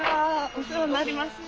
お世話になります。